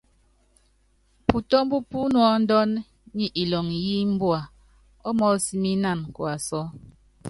Putɔ́mb pú nuɔ́ndɔn nyɛ ilɔŋ í imbua ɔ́ mɔɔ́s mí ínan kuasɔ́.